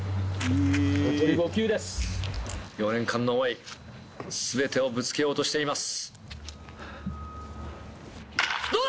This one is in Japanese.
４年間の思い、すべてをぶつけようとしています。